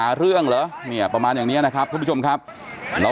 แล้วมึงจะทำอะไรกูเปล่า